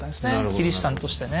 キリシタンとしてね。